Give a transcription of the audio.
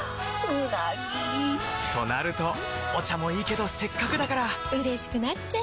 うなぎ！となるとお茶もいいけどせっかくだからうれしくなっちゃいますか！